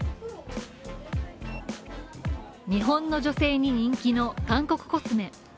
日本の女性に人気の韓国コスメ。